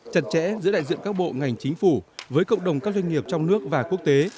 chặt chẽ giữa đại diện các bộ ngành chính phủ với cộng đồng các doanh nghiệp trong nước và quốc tế